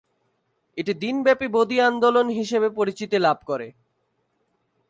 এটি দিনব্যাপী বদি আন্দোলন হিসেবে পরিচিতি লাভ করে।